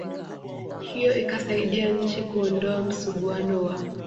hiyo ikasaidia nchi kuondoa msuguano wa